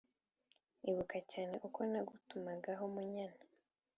ibuka cyane uko nagutumagaho munyana